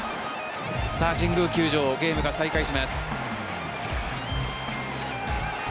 神宮球場、ゲームが再開します。